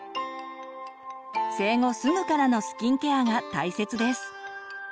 生後すぐからのスキンケアが大切です。